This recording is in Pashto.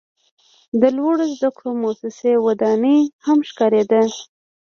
د لوړو زده کړو موسسې ودانۍ هم ښکاریده.